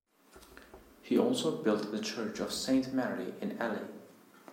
He also built the church of Saint Mary, in Ely.